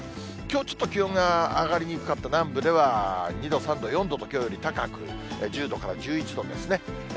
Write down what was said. きょう、ちょっと気温が上がりにくかった南部では、２度、３度、４度と、きょうより高く、１０度から１１度ですね。